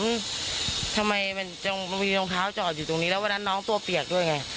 ทำไมมันมีรองเท้าจอดอยู่ตรงนี้แล้ววันนั้นน้องตัวเปียกด้วยไง